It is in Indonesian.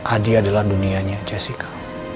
adi adalah dunianya jessica